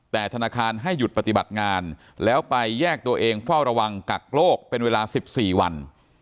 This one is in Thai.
แต่ธนาคารให้หยุดปฏิบัติงานแล้วไปแยกตัวเองเฝ้าระวังกักโลกเป็นเวลา๑๔วัน